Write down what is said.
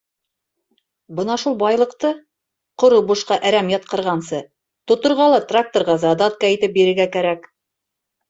Бына шул байлыҡты, ҡоро бушҡа әрәм ятҡырғансы, тоторға ла тракторға задатка итеп бирергә кәрәк.